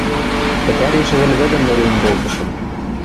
Пӹтӓри шӹвӹльвӹдӹм нелӹн колтышым.